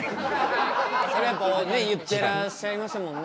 それ言ってらっしゃいましたもんね。